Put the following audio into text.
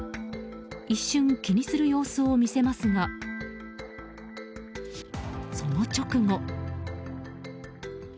一瞬気にする様子を見せますがその直後。